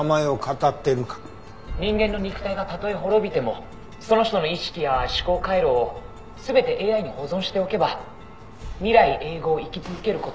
「人間の肉体がたとえ滅びてもその人の意識や思考回路を全てＡＩに保存しておけば未来永劫生き続ける事も可能になる」